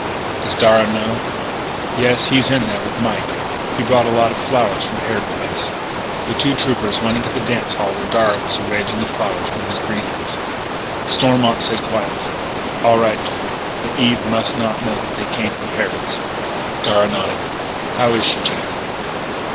"Does Darragh know?" "Yes. He's in there with Mike. He brought a lot of flowers from Harrod Place." The two troopers went into the dance hall where Darragh was arranging the flowers from his greenhouses. Stormont said quietly: "All right, Jim, but Eve must not know that they came from Harrod's." Darragh nodded: "How is she, Jack?"